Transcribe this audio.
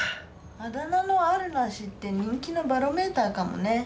あだ名のあるなしって人気のバロメーターかもね。